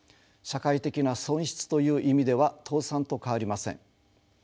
社会的な損失という意味では倒産と変わりません。